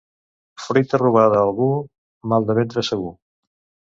Fruita robada a algú, mal de ventre segur.